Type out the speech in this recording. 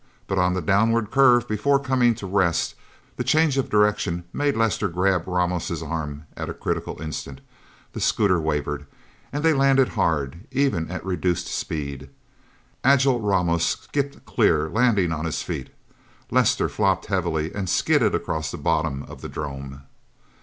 But on the downward curve before coming to rest, the change of direction made Lester grab Ramos' arm at a critical instant. The scooter wavered, and they landed hard, even at reduced speed. Agile Ramos skipped clear, landing on his feet. Lester flopped heavily, and skidded across the bottom of the 'drome.